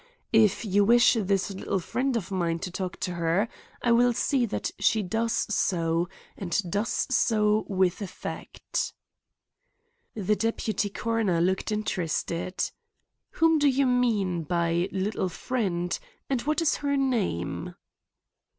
If you wish this little friend of mine to talk to her, I will see that she does so and does so with effect." The deputy coroner looked interested. "Whom do you mean by 'little friend' and what is her name?"